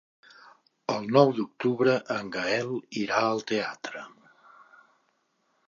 El nou d'octubre en Gaël irà al teatre.